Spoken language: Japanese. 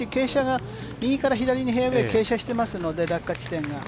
右から左にフェアウエー傾斜していますので、落下地点が。